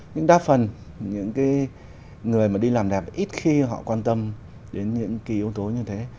nhưng đa phần những cái người mà đi làm đẹp ít khi họ quan tâm đến những cái yếu tố như thế